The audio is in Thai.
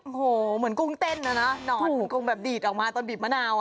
โอ้โหเหมือนกุ้งเต้นนะนะหนอนกุ้งแบบดีดออกมาตอนบีบมะนาว